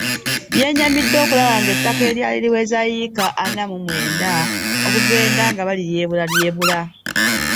Yenyamidde okulaba ng'ettaka eryali liweza yiika ana mu mwenda okugenda nga balilyebulalyebula.